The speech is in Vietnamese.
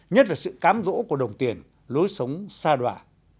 nhất là sự cám rỗ của đồng tiền lối sống xa đoạ